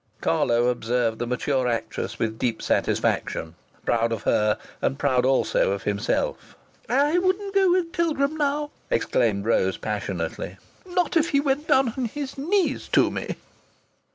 Carlo observed the mature actress with deep satisfaction, proud of her, and proud also of himself. "I wouldn't go with Pilgrim now," exclaimed Rose, passionately, "not if he went down on his knees to me!"